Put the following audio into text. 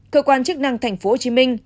cơ quan chức năng tp hcm